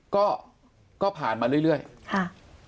ก็ก็ผ่านมาเรื่อยค่ะ